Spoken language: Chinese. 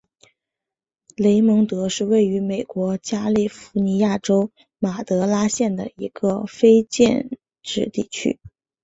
雷蒙德是位于美国加利福尼亚州马德拉县的一个非建制地区。